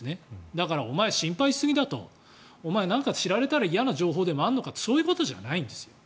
だからお前、心配しすぎだとお前、何か知られたら嫌な情報でもあるのかとそういうことじゃないんですよ。